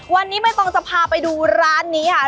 วันนี้ไม่ต้องจะพาไปดูร้านนี้ค่ะ